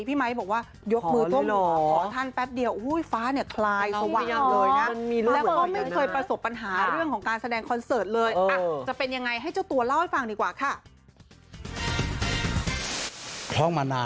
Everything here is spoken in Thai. พี่ไม้บอกว่ายกมือท่องหัวท่านแป๊บเดียวโอ้โหฟ้าเนี่ยคลายสว่างเลยนะ